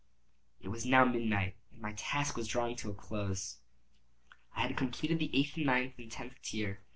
It was now midnight, and my task was drawing to a close. I had completed the eighth, the ninth, and the tenth tier.